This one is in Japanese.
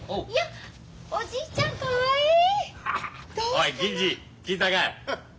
おい銀次聞いたかい？